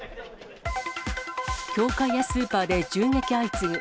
教会やスーパーで銃撃相次ぐ。